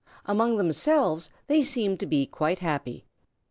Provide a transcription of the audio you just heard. Among themselves they seemed to be quite happy.